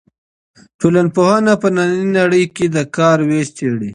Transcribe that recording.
ټولنپوهنه په نننۍ نړۍ کې د کار وېش څېړي.